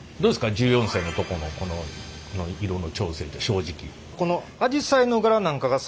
１４世のとこのこの色の調整って正直。